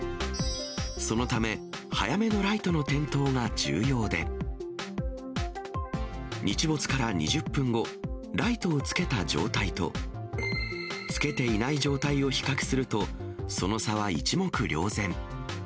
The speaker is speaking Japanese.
そのため、早めのライトの点灯が重要で、日没から２０分後、ライトをつけた状態と、つけていない状態を比較すると、その差は一目瞭然。